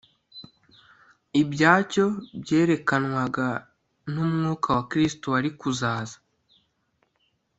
ibyacyo byerekanwaga n umwuka wa kristo wari kuzaza